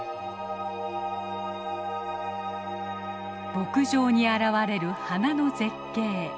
牧場に現れる花の絶景。